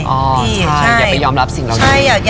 อ๋อใช่อย่าไปยอมรับสิ่งเหล่านี้